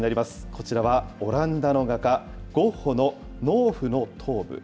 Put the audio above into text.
こちらはオランダの画家、ゴッホの農婦の頭部。